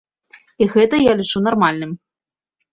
І гэта я лічу нармальным.